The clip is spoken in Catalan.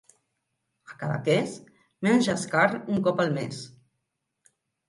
A Cadaqués menges carn un cop al mes.